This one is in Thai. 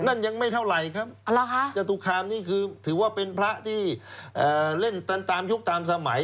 นั่นยังไม่เท่าไหร่ครับจตุคามนี่คือถือว่าเป็นพระที่เล่นตามยุคตามสมัย